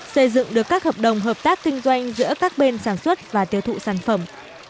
xây dựng được các hợp đồng hợp tác kinh doanh giữa các bên sản xuất và tiêu thụ sản phẩm